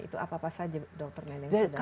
itu apa apa saja dokter neneng sudah dikatakan